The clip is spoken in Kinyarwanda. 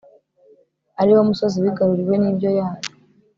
ari wo musozi wigaruriwe n'indyo yayo